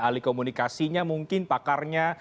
ahli komunikasinya mungkin pakarnya